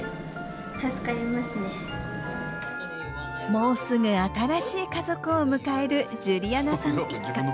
もうすぐ新しい家族を迎えるジュリアナさん一家。